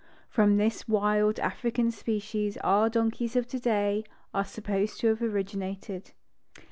From this wild African species our donkeys of today are supposed to have originated.